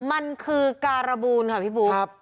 มันคือการบูลค่ะพี่บุ๊ค